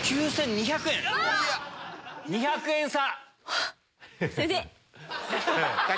２００円差。